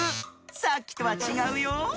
さっきとはちがうよ。